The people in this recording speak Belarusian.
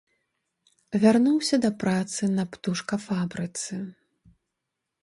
Вярнуўся да працы на птушкафабрыцы.